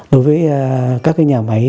đối với các nhà máy